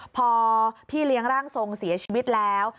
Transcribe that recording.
พอพี่เลี้ยงร่างทรงเสียชีวิตแล้ว